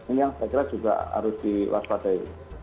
ini yang saya kira juga harus diwaspadai